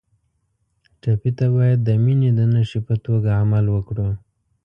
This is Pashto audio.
ټپي ته باید د مینې د نښې په توګه عمل وکړو.